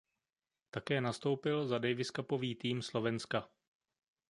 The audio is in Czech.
Také nastoupil za daviscupový tým Slovenska.